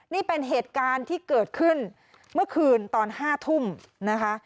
นี่เป็นเหตุการณ์ที่เกิดขึ้นเมื่อคืนตอน๕ทุ่มนะคะ